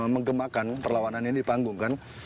mengemakan perlawanan ini di panggung